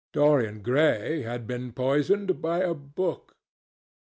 Dorian Gray had been poisoned by a book.